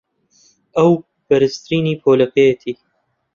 ئەو بەرزترینی پۆلەکەیەتی.